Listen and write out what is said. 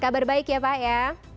kabar baik ya pak ya